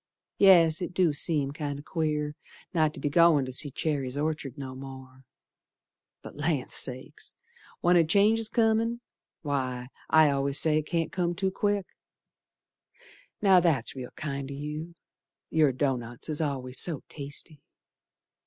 Yes, it do seem kinder queer Not to be goin' to see Cherry's Orchard no more, But Land Sakes! When a change's comin', Why, I al'ays say it can't come too quick. Now, that's real kind o' you, Your doughnuts is always so tasty.